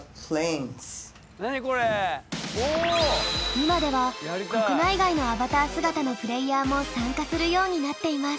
今では国内外のアバター姿のプレーヤーも参加するようになっています。